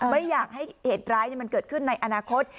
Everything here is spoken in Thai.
ไม่อยากให้เหตุร้ายมันเกิดขึ้นในอนาคต